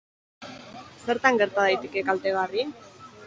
Zertan gerta daiteke kaltegarri?